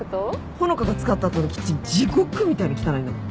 穂香が使った後のキッチン地獄みたいに汚いんだもん。